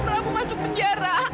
mas prabu masuk penjara